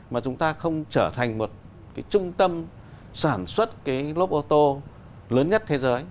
mà chúng ta không trở thành một cái trung tâm sản xuất cái lốp ô tô lớn nhất thế giới